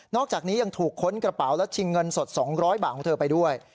อกจากนี้ยังถูกค้นกระเป๋าและชิงเงินสด๒๐๐บาทของเธอไปด้วย